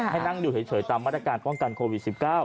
ให้นั่งอยู่เฉยตามมาตรการป้องกันโควิด๑๙